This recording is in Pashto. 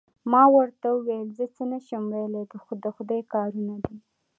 ما ورته وویل: زه څه نه شم ویلای، د خدای کارونه دي.